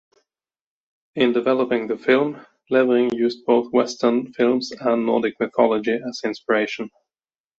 In developing the film, Levring used both Western films and Nordic mythology as inspiration.